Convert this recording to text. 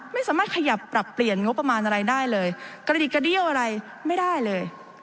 ไม่สามารถขยับปรับเปลี่ยนงบประมาณอะไรได้เลยกระดิกกระเดี้ยวอะไรไม่ได้เลย